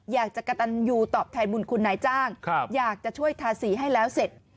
อยากจะกระตันยูตอบแทนบุญคุณนายจ้างอยากจะช่วยทาสีให้แล้วเสร็จ